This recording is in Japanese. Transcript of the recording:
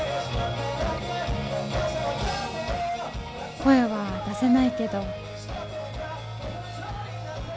声は出せないけど。